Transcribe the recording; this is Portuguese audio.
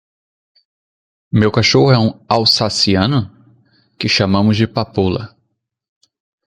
Meu cachorro é um alsaciano? que chamamos de "papoula".